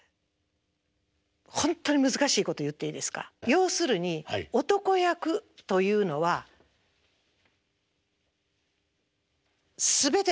要するに男役というのは全てなんです。